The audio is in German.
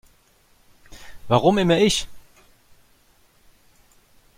Warum immer ich?